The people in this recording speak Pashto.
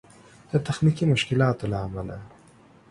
د تخنيکي مشکلاتو له امله